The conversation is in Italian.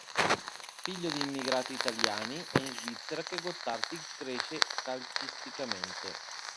Figlio di immigrati italiani, è in Svizzera che Gottardi cresce calcisticamente.